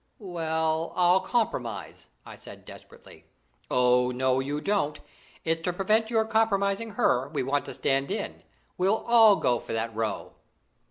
"Well, I'll compromise!" I said desperately. "No, you don't! It's to prevent your compromising her we want to stand in. We'll all go for that row."